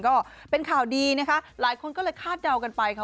ก็เป็นข่าวดีนะคะหลายคนก็เลยคาดเดากันไปค่ะ